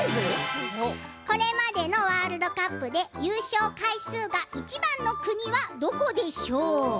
これまでのワールドカップで優勝回数が１番の国はどこでしょう？